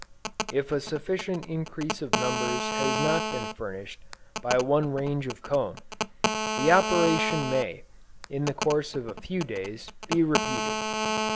If a sufficient increase of numbers has not been furnished by one range of comb, the operation may, in the course of a few days, be repeated.